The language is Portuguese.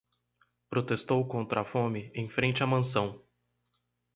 Protestou contra a fome em frente à mansão